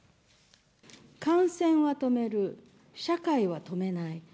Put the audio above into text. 感染は止める、社会は止めない。